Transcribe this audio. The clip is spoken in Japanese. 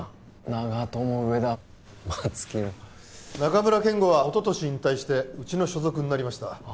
長友上田松木中村憲剛はおととし引退してうちの所属になりました